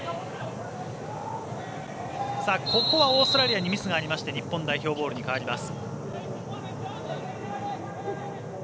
オーストラリアにミスがありまして日本代表ボールに変わります。